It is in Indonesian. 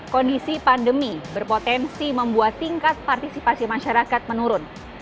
kondisi pandemi berpotensi membuat tingkat partisipasi masyarakat menurun